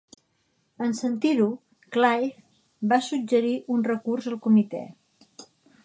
En sentir-ho, Clive va suggerir un recurs al Comitè.